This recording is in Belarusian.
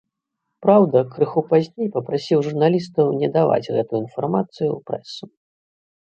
Праўда, крыху пазней папрасіў журналістаў не даваць гэтую інфармацыю ў прэсу.